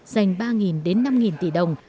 dành ba đến năm tỷ đồng